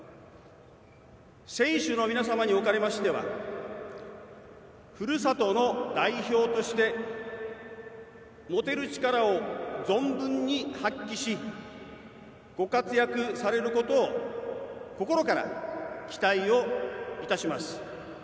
選手の皆様におかれましてはふるさとの代表として持てる力を存分に発揮しご活躍されることを心から期待をいたします。